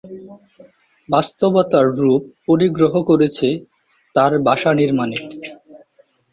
বাস্তবতার রূপ পরিগ্রহ করেছে তার ভাষা নির্মাণে।